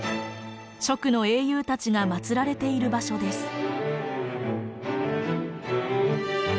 蜀の英雄たちが祀られている場所です。